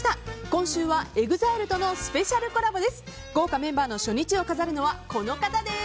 今週はＥＸＩＬＥとのスペシャルコラボです。